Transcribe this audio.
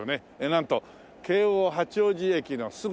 なんと京王八王子駅のすぐ一つ